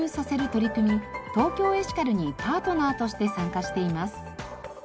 ＴＯＫＹＯエシカルにパートナーとして参加しています。